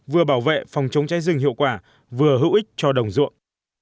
vừa bảo vệ phòng chống cháy rừng hiệu quả vừa hữu ích cho đồng ruộng